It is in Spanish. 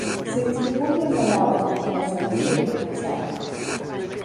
Se distribuye en Malawi, Mozambique y Tanzania.